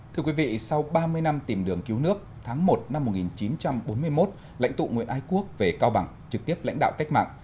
thưa quý vị sau ba mươi năm tìm đường cứu nước tháng một năm một nghìn chín trăm bốn mươi một lãnh tụ nguyễn ái quốc về cao bằng trực tiếp lãnh đạo cách mạng